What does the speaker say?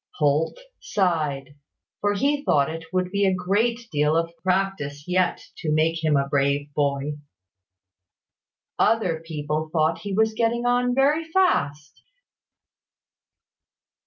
Holt sighed; for he thought it would take a great deal of practice yet to make him a brave boy. Other people thought he was getting on very fast.